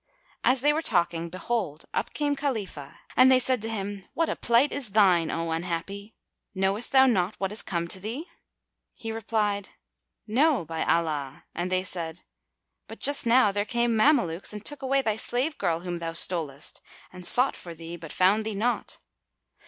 As they were talking, behold, up came Khalifah, and they said to him, "What a plight is thine, O unhappy! Knowest thou not what is come to thee?" He replied, "No, by Allah!" and they said, "But just now there came Mamelukes and took away thy slave girl whom thou stolest, and sought for thee, but found thee not."